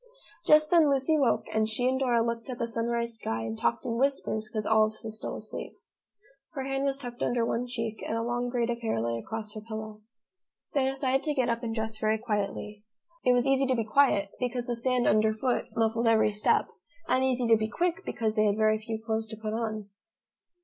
Just then Lucy woke and she and Dora looked at the sunrise sky and talked in whispers because Olive was still asleep. Her hand was tucked under one cheek, and a long braid of hair lay across her pillow. They decided to get up and dress very quietly. It was easy to be quiet because the sand under foot muffled every step, and easy to be quick because they had very few clothes to put on.